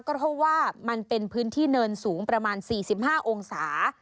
เพราะว่ามันเป็นพื้นที่เนินสูงประมาณ๔๕องศา